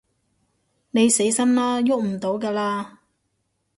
你死心啦，逳唔到㗎喇